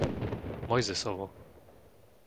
Mojzesovo